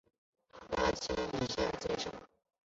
花期以夏季最盛。